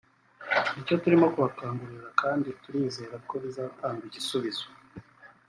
(…) nicyo turimo kubakangurira kandi turizera ko bizatanga igisubizo”